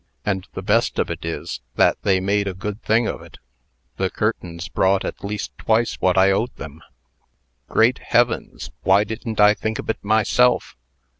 And the best of it is, that they made a good thing of it. The curtains brought at least twice what I owed them. Great heavens! why didn't I think of it myself?"